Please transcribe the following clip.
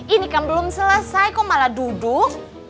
ini kan belum selesai kok malah duduk